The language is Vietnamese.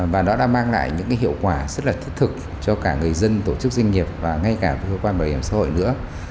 và nó đã mang lại những hiệu quả rất là thiết thực cho cả người dân tổ chức doanh nghiệp và ngay cả với cơ quan bảo hiểm xã hội nữa